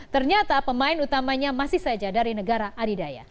ternyata pemain utamanya masih saja dari negara adidaya